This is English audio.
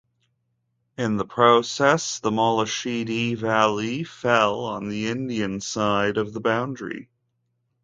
In the process, the Moloshidi Valley fell on the Indian side of the boundary.